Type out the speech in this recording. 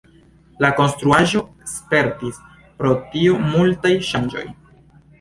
La konstruaĵo spertis pro tio multaj ŝanĝoj.